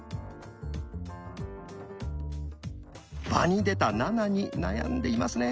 場に出た「７」に悩んでいますね。